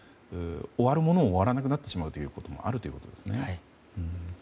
終わるものも終わらなくなってしまうということもあるということですね。